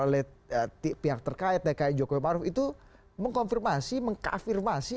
oleh pihak terkait tki jokowi maruf itu mengkonfirmasi mengkafirmasi